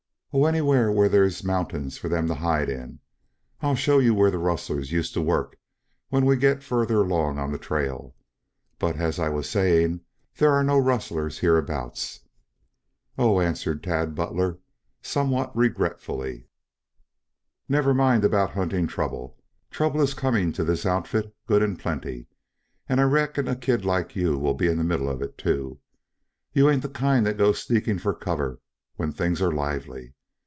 "Oh, anywhere where there's mountains for them to hide in. I'll show you where the rustlers used to work, when we get further along on the trail. But, as I was saying, there are no rustlers hereabouts." "Oh," answered Tad Butler, somewhat regretfully. "You never mind about hunting trouble. Trouble is coming to this outfit good and plenty, and I reckon a kid like you will be in the middle of it, too. You ain't the kind that goes sneaking for cover when things are lively.